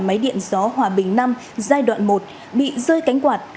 nhà máy điện gió hòa bình năm giai đoạn một bị rơi cánh quạt